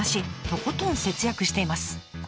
とことん節約しています。